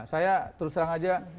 saya terus terang saja